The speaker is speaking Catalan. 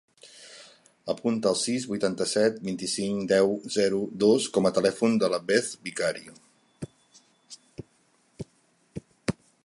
Apunta el sis, vuitanta-set, vint-i-cinc, deu, zero, dos com a telèfon de la Beth Vicario.